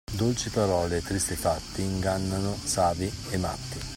Dolci parole e tristi fatti ingannano savi e matti.